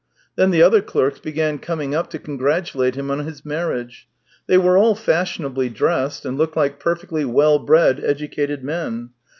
Then the other clerks began coming up to congratulate him on his marriage. They were all fashionably dressed, and looked like perfectly well bred, educated men.